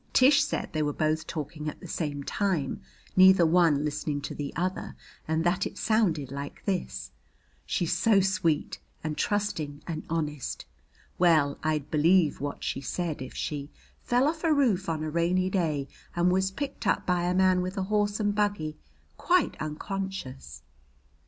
Tish said they were both talking at the same time, neither one listening to the other, and that it sounded like this: "She's so sweet and trusting and honest well, I'd believe what she said if she "" fell off a roof on a rainy day and was picked up by a man with a horse and buggy quite unconscious."